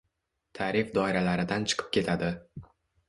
ta’rif doiralaridan chiqib ketadi